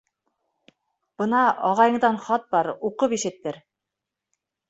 — Бына, ағайыңдан хат бар, уҡып ишеттер.